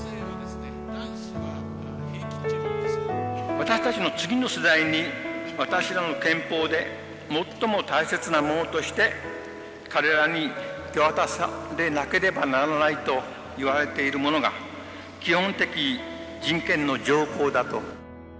私たちの次の世代に私らの憲法で最も大切なものとして彼らに手渡されなければならないといわれているものが基本的人権の条項だと。